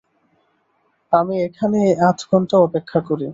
আমি এখানেই আধ ঘণ্টা অপেক্ষা করি।